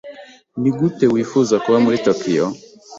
Nigute wifuza kuba muri Tokiyo?